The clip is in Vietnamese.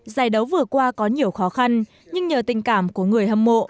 giải đấu vừa qua có nhiều khó khăn nhưng nhờ tình cảm của người hâm mộ